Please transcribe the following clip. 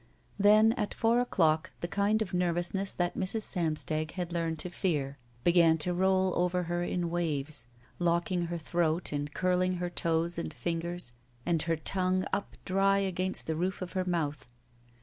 Then at four o'clock the kind of nervousness that Mrs. Samstag had learned to fear began to roll over her in waves, locking her throat and curling her toes and fingers and her tongue up dry against the roof of her mouth.